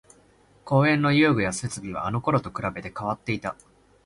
公園の遊具や設備はあのころと比べて変わっていた